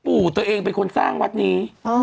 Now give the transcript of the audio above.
ปู่ตัวเองเป็นคนสร้างวัดนี้